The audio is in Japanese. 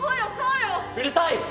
「うるさい！